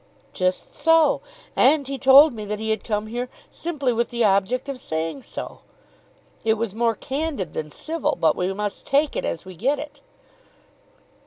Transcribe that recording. "Just so; and he told me that he had come here simply with the object of saying so. It was more candid than civil, but we must take it as we get it."